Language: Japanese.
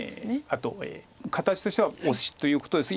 あと形としてはオシということです。